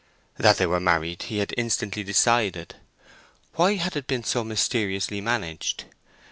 That they were married he had instantly decided. Why had it been so mysteriously managed?